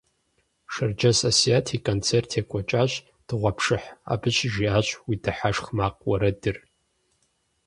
Шэрджэс Асият и концерт екӏуэкӏащ дыгъуэпшыхь, абы щыжиӏащ «Уи дыхьэшх макъ» уэрэдыр.